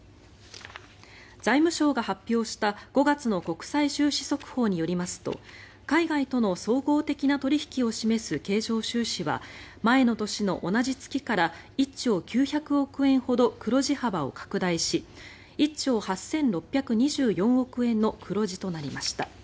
財務省が発表した５月の国際収支速報によりますと海外との総合的な取引を示す経常収支は前の年の同じ月から１兆９００億円ほど黒字幅を拡大し１兆８６２４億円の黒字となりました。